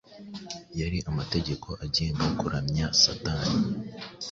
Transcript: Yari amategeko agenga kuramya Satani,